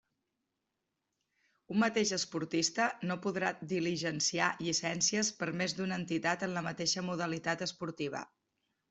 Un mateix esportista no podrà diligenciar llicències per més d'una entitat en la mateixa modalitat esportiva.